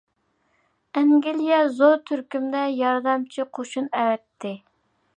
ئەنگلىيە زور تۈركۈمدە ياردەمچى قوشۇن ئەۋەتتى.